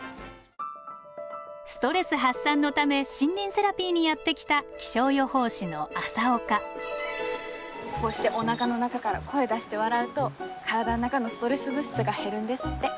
ストレス発散のため森林セラピーにやって来たこうしておなかの中がら声出して笑うと体の中のストレス物質が減るんですって。